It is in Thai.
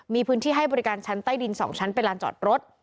มีพื้นที่ให้บริการชั้นใต้ดิน๒ชั้นเป็นลานจอดรถ